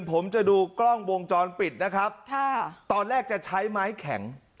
ผมจะดูกล้องวงจรปิดนะครับค่ะตอนแรกจะใช้ไม้แข็ง